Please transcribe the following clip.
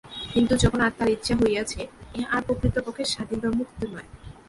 কিন্তু যখন আত্মার ইচ্ছা হইয়াছে, ইহা আর প্রকৃতপক্ষে স্বাধীন বা মুক্ত নয়।